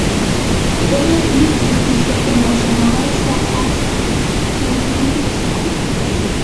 Villeneuve, who spoke English, is alleged to have asked to whom he was surrendering.